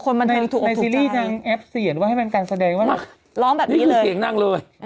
ในซีรีย์ทางแอปเสียหรือเปล่าขอให้มันการแสดง